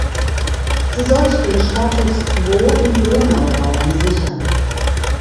Sie sollte den Status quo im Donauraum sichern.